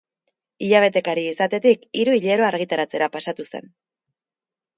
Hilabetekari izatetik hiru hilero argitaratzera pasatu zen.